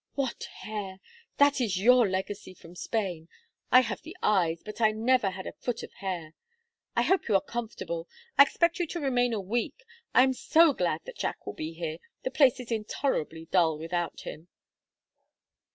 What hair! That is your legacy from Spain. I have the eyes, but I never had a foot of hair. I hope you are comfortable. I expect you to remain a week. I am so glad that Jack will be here. The place is intolerably dull without him."